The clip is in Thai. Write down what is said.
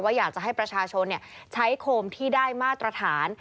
อยากจะให้ประชาชนใช้โคมที่ได้มาตรฐาน